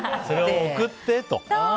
それを送って！と。